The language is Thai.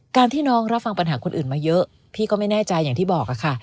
ที่น้องรับฟังปัญหาคนอื่นมาเยอะพี่ก็ไม่แน่ใจอย่างที่บอกค่ะ